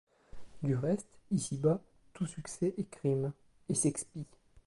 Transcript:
Du reste, ici-bas tout succès est crime, et s’expie.